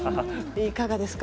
いかがですか？